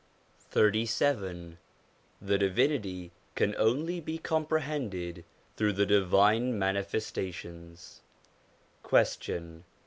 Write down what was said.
XXXVII THE DIVINITY CAN ONLY BE COMPRE HENDED THROUGH THE DIVINE MANI FESTATIONS Question.